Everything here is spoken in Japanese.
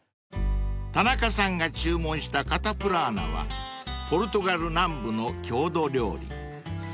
［田中さんが注文したカタプラーナはポルトガル南部の郷土料理］